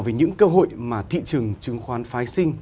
về những cơ hội mà thị trường chứng khoán phái sinh